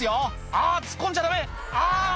あ突っ込んじゃダメあ！